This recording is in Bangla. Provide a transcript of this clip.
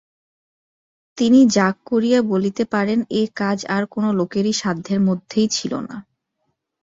তিনি জাঁক করিয়া বলিতে পারেন এ কাজ আর-কোনো লোকেরই সাধ্যের মধ্যেই ছিল না।